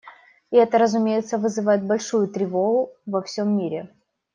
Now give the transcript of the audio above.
И это, разумеется, вызывает большую тревогу во всем мире.